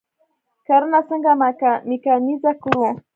کرنه څنګه میکانیزه کړو؟